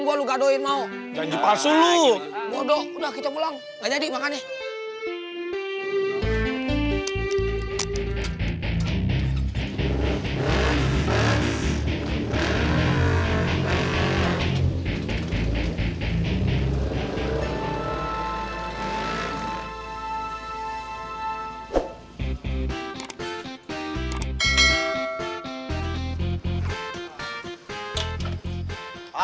gua lu gadohin mau janji palsu lu udah kita pulang jadi makanya